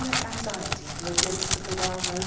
ate anxiety for a glimpse of the W(dl<*lc0ewh